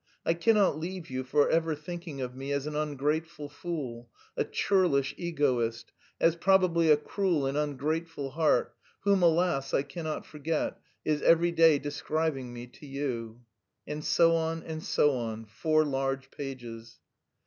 I cannot leave you forever thinking of me as an ungrateful fool, a churlish egoist, as probably a cruel and ungrateful heart whom, alas, I cannot forget is every day describing me to you...." And so on and so on, four large pages.